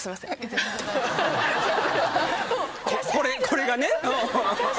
これがね。